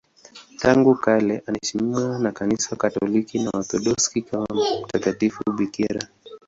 Tangu kale anaheshimiwa na Kanisa Katoliki na Waorthodoksi kama mtakatifu bikira.